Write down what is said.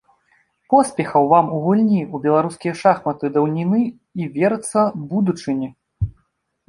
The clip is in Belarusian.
Поспехаў вам у гульні ў беларускія шахматы даўніны і, верыцца, будучыні!